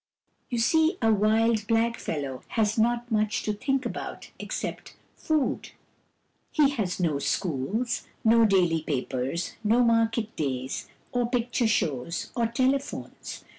You see, a wild blackfellow has not much to think about except food. He has no schools, no daily papers, no market days, or picture shows, or tele phones.